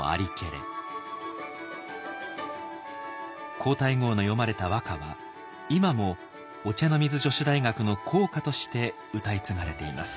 皇太后の詠まれた和歌は今もお茶の水女子大学の校歌として歌い継がれています。